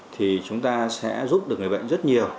thì chúng ta sẽ giúp được người bệnh rất nhiều